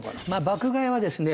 爆買いはですね